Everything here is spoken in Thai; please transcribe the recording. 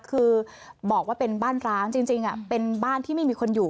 คือบอกว่าเป็นบ้านร้างจริงเป็นบ้านที่ไม่มีคนอยู่